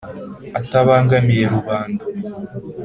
atabangamiye rubanda